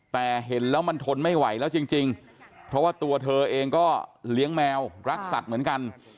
แต่เห็นแล้วมันทนไม่ไหวแล้วจริงเพราะว่าตัวเธอเองก็เลี้ยงแมวรักสัตว์เหมือนกัน